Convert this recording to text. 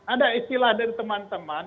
ada istilah dari teman teman